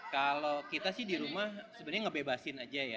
kalau kita sih di rumah sebenarnya ngebebasin aja ya